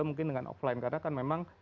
mungkin dengan offline karena kan memang